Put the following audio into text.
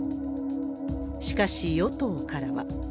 しかし与党からは。